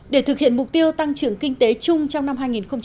để thực hiện mục tiêu tăng trưởng kinh tế chung trong năm hai nghìn một mươi bảy